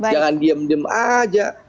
jangan diem diem aja